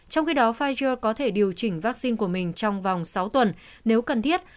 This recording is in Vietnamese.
trong khi đó pfijer có thể điều chỉnh vaccine của mình trong vòng sáu tuần nếu cần thiết